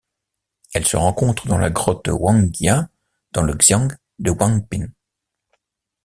Elle se rencontre dans la grotte Wangjia dans le xian de Huangpin.